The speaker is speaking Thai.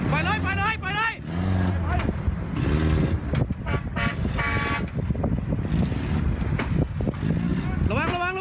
ไปเลยไปเลยไปเลยไปเลยไปเลย